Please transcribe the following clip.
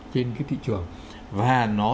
trên cái thị trường và nó